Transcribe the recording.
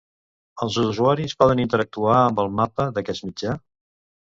Els usuaris poden interactuar amb el mapa d'aquest mitjà?